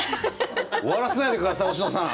終わらせないで下さい星野さん！